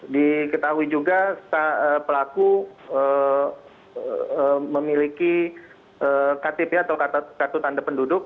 diketahui juga pelaku memiliki kartu tanda penduduk